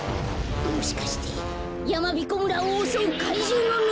もしかしてやまびこ村をおそうかいじゅうのぬけがら？